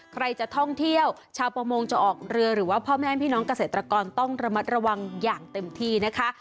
ใครจะท่องเที่ยวชาวประมงจะออกเรือหรือว่าพ่อแม่พี่น้องเกษตรกรต้องระมัดระวังอย่างเต็มที่นะคะ